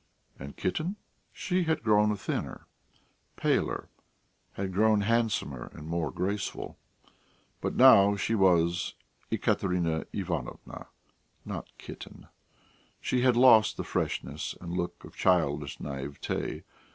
And Kitten? She had grown thinner, paler, had grown handsomer and more graceful; but now she was Ekaterina Ivanovna, not Kitten; she had lost the freshness and look of childish naïveté.